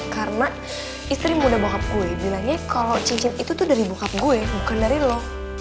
karena istri muda bokap gue bilangnya kalau cincin itu tuh dari bokap gue bukan dari lo